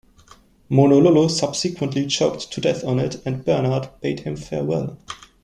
Monolulu subsequently choked to death on it and Bernard bade him farewell.